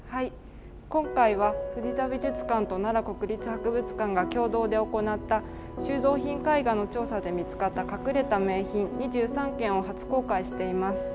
今回は、藤田美術館と奈良国立博物館が共同で行った収蔵品絵画の調査で見つかった隠れた名品２３件を初公開しています。